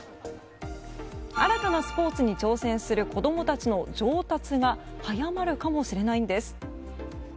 新たなスポーツに挑戦する子供たちの上達が早まるかもしれないんです。